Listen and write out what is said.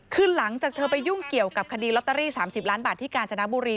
คือหลังจากเธอไปยุ่งเกี่ยวกับคดีลอตเตอรี่๓๐ล้านบาทที่กาญจนบุรี